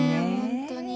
本当に。